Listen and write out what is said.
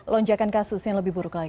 lonjakan kasus yang lebih buruk lagi